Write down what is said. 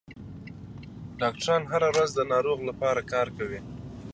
ډاکټران هره ورځ د ناروغ لپاره کار کوي.